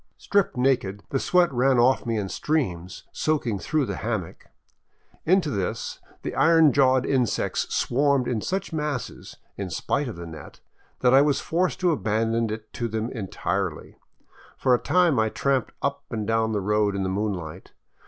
Stripped naked, the sweat ran off me in streams, soaking through the hammock. Into this the iron jawed insects swarmed in such masses, in spite of the net, that I was forced to abandon it to them entirely. For a time I tramped np and down the road in the moonlight.